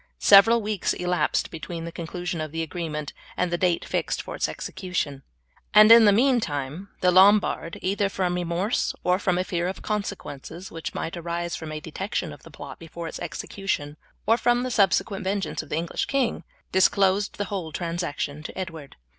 Several weeks elapsed between the conclusion of the agreement and the date fixed for its execution, and in the meantime the Lombard, either from remorse or from a fear of the consequences which might arise from a detection of the plot before its execution, or from the subsequent vengeance of the English king, disclosed the whole transaction to Edward.